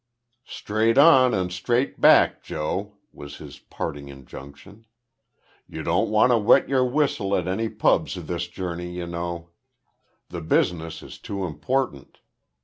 "Straight on and straight back, Joe," was his parting injunction. "You don't want to wet your whistle at any pubs this journey you know. The business is too important.